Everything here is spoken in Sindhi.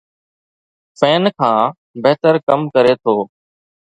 فين کان بهتر ڪم ڪري ٿو